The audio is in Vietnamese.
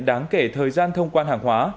đáng kể thời gian thông quan hàng hóa